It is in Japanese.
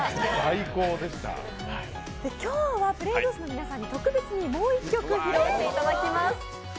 今日はＰｌａｙ．Ｇｏｏｓｅの皆さんに特別にもう１曲披露していただきます。